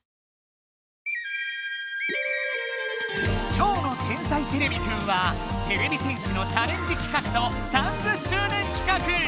今日の「天才てれびくん」はてれび戦士のチャレンジきかくと３０しゅう年きかく！